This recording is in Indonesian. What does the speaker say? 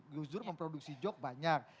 gus dur memproduksi jok banyak